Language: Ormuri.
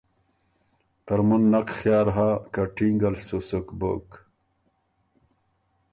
ترمُن نک خیال هۀ که ټینګه ل سُو سُک بُک۔